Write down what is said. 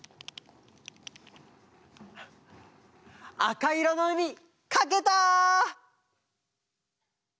かいろのうみかけた！